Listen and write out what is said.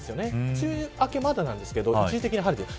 梅雨明けまでなんですけど一時的に晴れてる。